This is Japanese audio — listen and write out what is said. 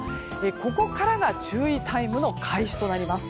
ここからが注意タイムの開始となります。